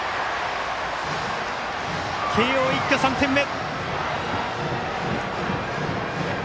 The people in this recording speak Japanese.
慶応、一挙３点目！